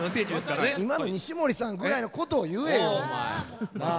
今の西森さんぐらいのことを言えよお前なあ。